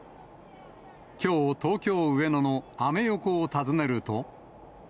きょう、東京・上野のアメ横を訪ねると。